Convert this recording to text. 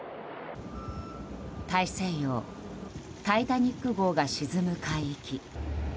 大西洋「タイタニック号」が沈む海域。